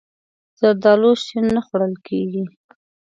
زردالو شین نه خوړل کېږي.